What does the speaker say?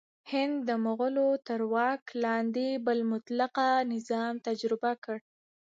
هند د مغولو تر واک لاندې بل مطلقه نظام تجربه کړ.